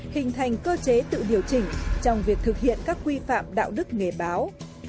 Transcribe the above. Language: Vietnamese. hình thành cơ chế tự điều chỉnh trong việc thực hiện các quy phạm đạo đức nghề báo